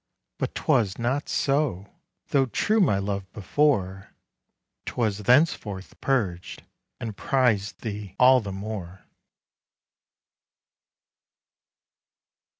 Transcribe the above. But 'twas not so; though true my love before, 'Twas thenceforth purg'd, and priz'd thee all the more.